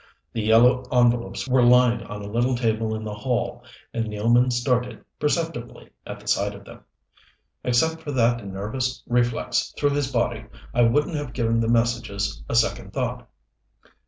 The yellow envelopes were lying on a little table in the hall, and Nealman started, perceptibly, at the sight of them. Except for that nervous reflex through his body I wouldn't have given the messages a second thought.